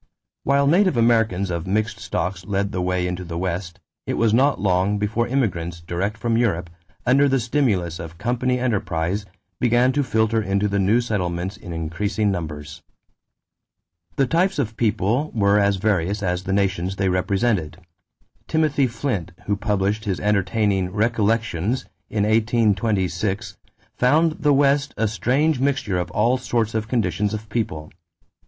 While native Americans of mixed stocks led the way into the West, it was not long before immigrants direct from Europe, under the stimulus of company enterprise, began to filter into the new settlements in increasing numbers. The types of people were as various as the nations they represented. Timothy Flint, who published his entertaining Recollections in 1826, found the West a strange mixture of all sorts and conditions of people.